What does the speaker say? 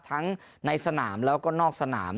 ทั้งในสนามแล้วก็นอกสนาม